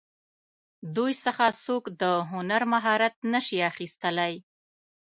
دوی څخه څوک د هنر مهارت نشي اخیستلی.